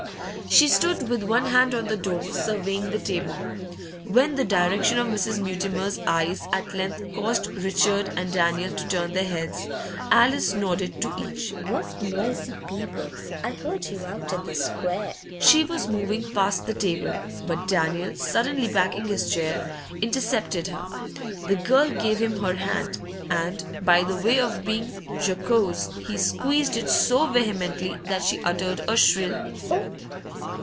She stood with one hand on the door, surveying the table. When the direction of Mrs. Mutimer's eyes at length caused Richard and Daniel to turn their heads, Alice nodded to each. 'What noisy people! I heard you out in the square.' She was moving past the table, but Daniel, suddenly backing his chair, intercepted her. The girl gave him her hand, and, by way of being jocose, he squeezed it so vehemently that she uttered a shrill 'Oh!